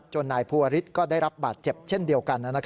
นายภูวริสก็ได้รับบาดเจ็บเช่นเดียวกัน